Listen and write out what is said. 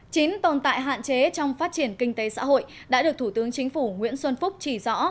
chín tồn tại hạn chế trong phát triển kinh tế xã hội đã được thủ tướng chính phủ nguyễn xuân phúc chỉ rõ